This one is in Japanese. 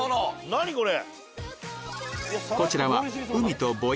何これ⁉